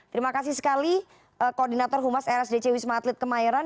terima kasih sekali koordinator humas rsdc wisma atlet kemayoran